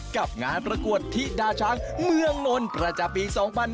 กับงานประกวดธิดาช้างเมืองนนท์ประจำปี๒๕๕๙